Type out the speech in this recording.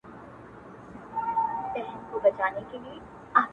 پوهېږم نه- يو داسې بله هم سته-